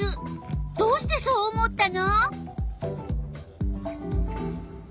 どうしてそう思ったの？